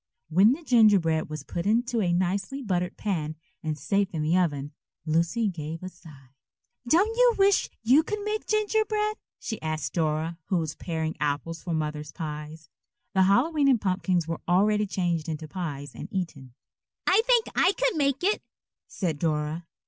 When the gingerbread was put into a nicely buttered pan and safe in the oven, Lucy gave a sigh. "Don't you wish you could make gingerbread?" she asked Dora, who was paring apples for Mother's pies. The Hallowe'en pumpkins were already changed into pies and eaten. "I think I could make it," said Dora.